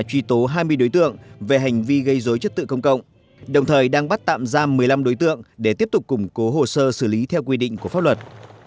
truy tố hai mươi đối tượng về hành vi gây dối chất tự công cộng đồng thời đang bắt tạm giam một mươi năm đối tượng để tiếp tục củng cố hồ sơ xử lý theo quy định của pháp luật